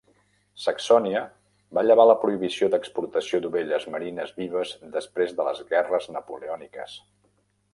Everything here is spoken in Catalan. Saxònia va llevar la prohibició d'exportació d'ovelles merines vives després de les guerres napoleòniques.